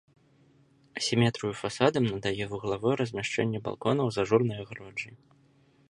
Асіметрыю фасадам надае вуглавое размяшчэнне балконаў з ажурнай агароджай.